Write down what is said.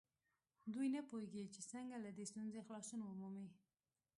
دوی نه پوهېږي چې څنګه له دې ستونزې خلاصون ومومي.